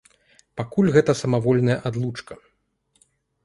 Пакуль гэта самавольная адлучка.